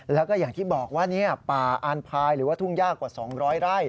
แล้วก็อย่างที่บอกว่าป่าอานพายหรือว่าทุ่งยากกว่า๒๐๐ไร่